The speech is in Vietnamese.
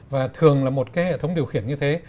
và thường là một cái hệ thống điều khiển như thế